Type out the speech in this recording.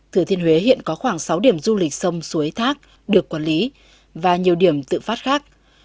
thừa thiên huế hiện có khoảng sáu điểm du lịch sông suối thác được quản lý và nhiều điểm tự phát khác